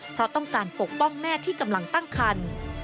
เพราะต้องการปกป้องแม่ที่กำลังตั้งคัน